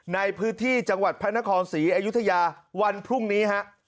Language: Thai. ในพื้นที่จังหวัดพระนครศรีอยุธยาวันพรุ่งนี้ฮะ